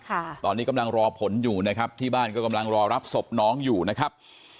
ค่ะตอนนี้กำลังรอผลอยู่นะครับที่บ้านก็กำลังรอรับศพน้องอยู่นะครับ